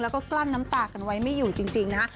แล้วก็กลั้นน้ำตากันไว้ไม่อยู่จริงนะฮะ